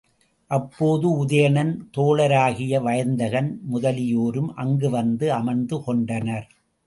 அப்போது உதயணன் தோழராகிய வயந்தகன் முதலியோரும் அங்கே வந்து அமர்ந்து கொண்டனர்.